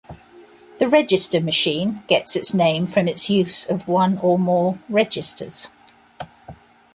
The register machine gets its name from its use of one or more "registers".